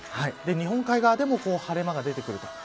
日本海側でも晴れ間が出てくる。